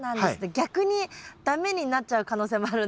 逆に駄目になっちゃう可能性もあるんですね。